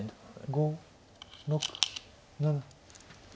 ５６７。